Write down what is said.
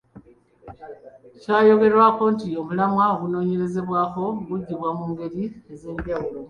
Kyayogerwako nti omulamwa ogunoonyerezebwako guggyibwa mu ngeri ez’enjawulo.